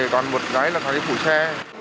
còn một gái là khách đi buổi xe